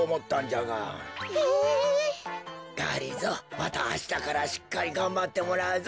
またあしたからしっかりがんばってもらうぞ。